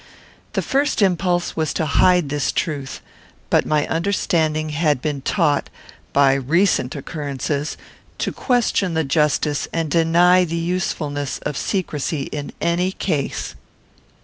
The first impulse was to hide this truth; but my understanding had been taught, by recent occurrences, to question the justice and deny the usefulness of secrecy in any case.